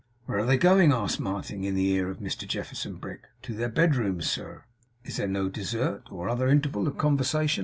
'Where are they going?' asked Martin, in the ear of Mr Jefferson Brick. 'To their bedrooms, sir.' 'Is there no dessert, or other interval of conversation?